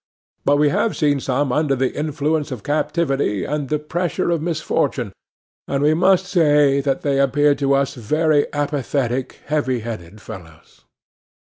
But we have seen some under the influence of captivity, and the pressure of misfortune; and we must say that they appeared to us very apathetic, heavy headed fellows.